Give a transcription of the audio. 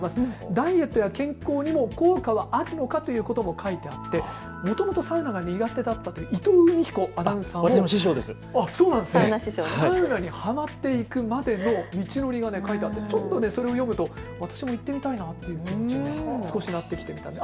ダイエットや健康にも効果はあるのかということも書いてあってもともとサウナが苦手だったという伊藤海彦アナウンサー、サウナにはまっていくまでの道のりが書いてあって、それを読むと私も行ってみたいなという気持ちに少しになります。